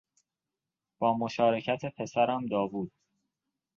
با مشارکت پسرم داوود